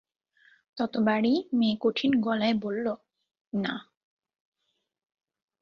তত বারই মেয়ে কঠিন গলায় বলল, না।